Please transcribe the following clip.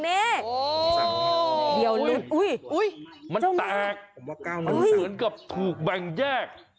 นี่โอ้ยมันแตกเหมือนกับถูกแบ่งแยก